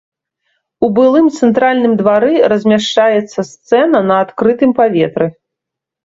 У былым цэнтральным двары размяшчаецца сцэна на адкрытым паветры.